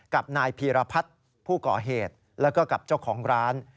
กับนายพีรพัฒน์ผู้ก่อเหตุแล้วก็กับเจ้าของร้าน